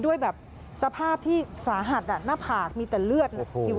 ด้วยแบบสภาพที่สาหัสหน้าผากมีแต่เลือด